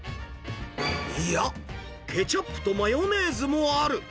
いや、ケチャップとマヨネーズもある。